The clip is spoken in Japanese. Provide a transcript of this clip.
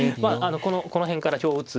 この辺から香打つ。